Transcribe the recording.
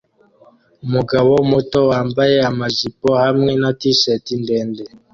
Umuhungu muto wambaye amajipo hamwe na t-shati ndende